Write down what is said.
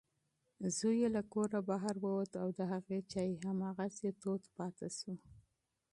زوی یې له کوره ووت او د هغې چای هماغسې تود پاتې شو.